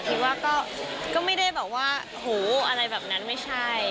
คิดว่าก็ไม่ได้แบบว่าโหอะไรแบบนั้นไม่ใช่